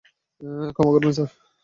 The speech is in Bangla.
ক্ষমা করবেন, স্যার।